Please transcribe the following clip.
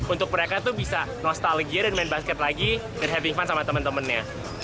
untuk mereka tuh bisa nostalgia dan main basket lagi dan having fun sama teman temannya